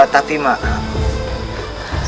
tapi pak man